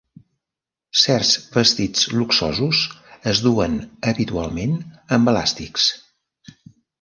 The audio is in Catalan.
Certs vestits luxosos es duen habitualment amb elàstics.